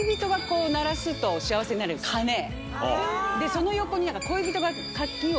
その横に。